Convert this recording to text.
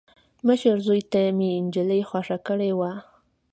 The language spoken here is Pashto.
مشر زوي ته مې انجلۍ خوښه کړې وه.